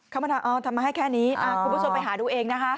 เขามาถามทำไมให้แค่นี้คุณผู้ชมไปหาดูเองนะคะ